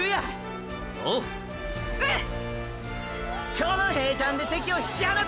この平坦で敵を引き離す！！